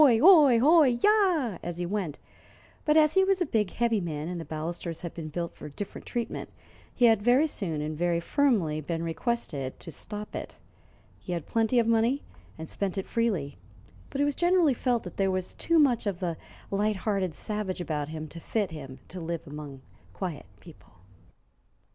ho! ho! yah!" as he went, but as he was a big, heavy man, and the balusters had been built for different treatment, he had very soon and very firmly been requested to stop it. He had plenty of money, and spent it freely; but it was generally felt that there was too much of the light hearted savage about him to fit him to live among quiet people.